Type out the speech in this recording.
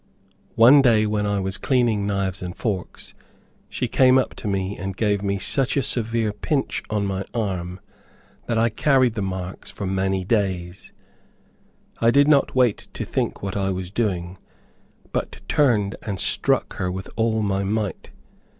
One day when I was cleaning knives and forks she came up to me and gave me such a severe pinch on my arm that I carried the marks for many days. I did not wait to think what I was doing, but turned and struck her with all my might.